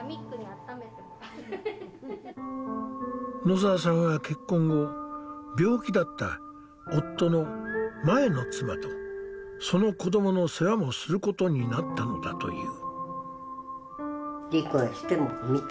野澤さんは結婚後病気だった夫の前の妻とその子どもの世話もすることになったのだという。